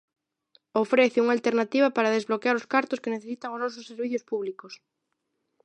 Ofrece unha alternativa para desbloquear os cartos que necesitan os nosos servizos públicos.